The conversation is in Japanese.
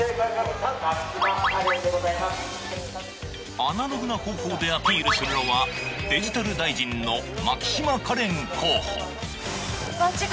アナログな方法でアピールするのはデジタル大臣の牧島かれん候補。